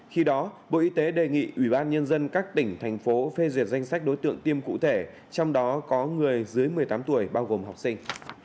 khi đó bộ y tế đề nghị ủy ban nhân dân các tỉnh thành phố phê duyệt danh sách đối tượng tiêm cụ thể trong đó có người dưới một mươi tám tuổi bao gồm học sinh